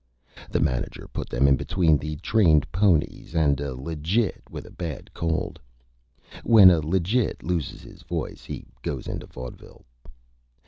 The Manager put them in between the Trained Ponies and a Legit with a Bad Cold. When a Legit loses his Voice he goes into Vodeville.